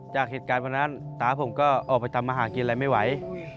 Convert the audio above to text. จากเหตุการณ์วันนั้นตาผมก็ออกไปทำอาหารกินอะไรไม่ไหว